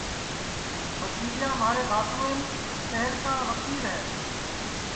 پھکیریا مھارے بھاتوئیم پہلکا وکیل ہے